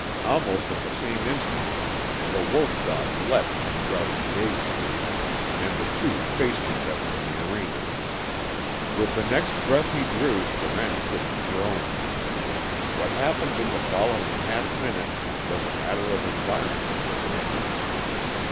Almost at the same instant the wolf dog leapt from Grouse Piet's cage, and the two faced each other in the arena. With the next breath he drew Durant could have groaned. What happened in the following half minute was a matter of environment with Miki.